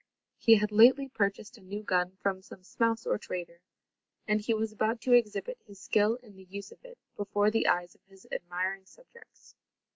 He had lately purchased a new gun from some smouse or trader, and he was about to exhibit his skill in the use of it, before the eyes of his admiring subjects.